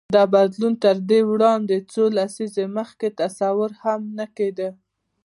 دا بدلون تر دې وړاندې څو لسیزې مخکې تصور هم نه کېده.